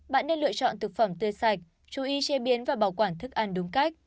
bạn nên lựa chọn thực phẩm tươi sạch chú ý chế biến và bảo quản thức ăn đúng cách